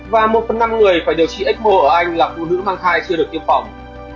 và một phần năm người phải điều trị ecmore ở anh là phụ nữ mang thai chưa được tiêm phòng